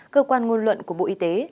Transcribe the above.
cơ quan ngôn luận của bộ y tế